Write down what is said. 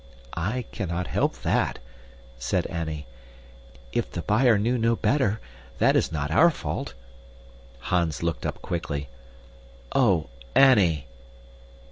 "I cannot help that," said Annie. "If the buyer knew no better, that is not our fault." Hans looked up quickly. "Oh, Annie!"